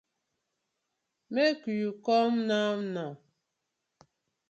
Make you come now now.